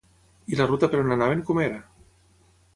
I la ruta per on anaven com era?